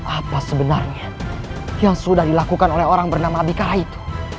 apa sebenarnya yang sudah dilakukan oleh orang bernama abika itu